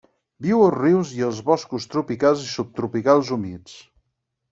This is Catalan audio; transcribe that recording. Viu als rius i als boscos tropicals i subtropicals humits.